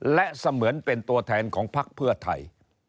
และเสมือนเป็นตัวแทนของพักเพื่อไทย